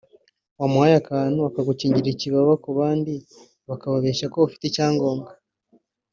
wabahaye akantu bakajya bagukingira ikibaba ku bandi bababeshya ko ufite ibyangombwa